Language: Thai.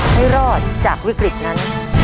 ให้รอดจากวิกฤตนั้น